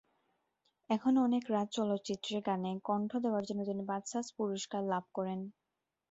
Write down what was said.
এখনো অনেক রাত চলচ্চিত্রে গানে কণ্ঠ দেওয়ার জন্য তিনি বাচসাস পুরস্কার লাভ করেন।